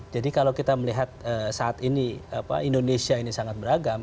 jadi kalau kita melihat saat ini indonesia ini sangat beragam